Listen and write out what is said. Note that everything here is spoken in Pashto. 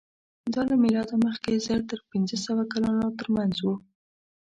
دا له مېلاده مخکې زر تر پینځهسوه کلونو تر منځ وو.